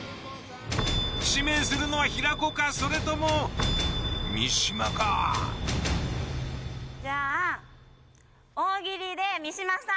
指名するのはそれともじゃあ大喜利で三島さん。